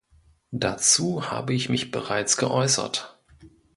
Dazu habe ich mich bereits geäußert.